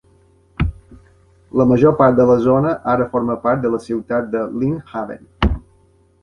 La major part de la zona ara forma part de la ciutat de Lynn Haven.